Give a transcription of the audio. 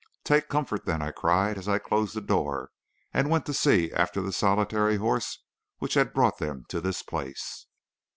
"'Take comfort, then,' I cried, as I closed the door, and went to see after the solitary horse which had brought them to this place.